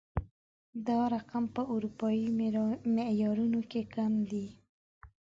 دا رقم په اروپايي معيارونو کې کم دی